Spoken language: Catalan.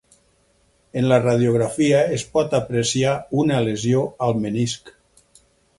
En la radiografia es pot apreciar una lesió al menisc.